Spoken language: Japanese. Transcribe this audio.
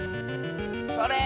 それ！